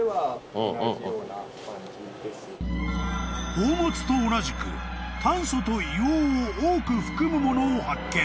［宝物と同じく炭素と硫黄を多く含むものを発見］